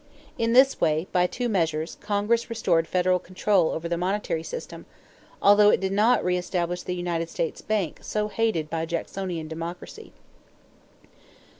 In this way, by two measures Congress restored federal control over the monetary system although it did not reëstablish the United States Bank so hated by Jacksonian Democracy.